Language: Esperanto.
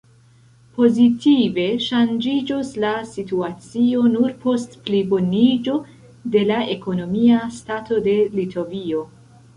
Pozitive ŝanĝiĝos la situacio nur post pliboniĝo de la ekonomia stato de Litovio.